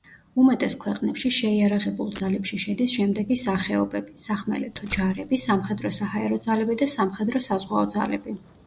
უმეტეს ქვეყნებში შეიარაღებულ ძალებში შედის შემდეგი სახეობები: სახმელეთო ჯარები, სამხედრო-საჰაერო ძალები და სამხედრო-საზღვაო ძალები.